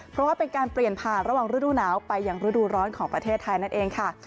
เพราะว่าเป็นการเปลี่ยนผ่านระหว่างฤดูหนาวไปอย่างฤดูร้อนของประเทศไทยนั่นเองค่ะ